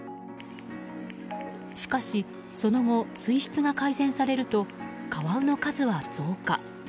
しかし、その後水質が改善されるとカワウの数は増加。